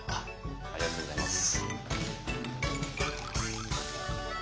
ありがとうございます。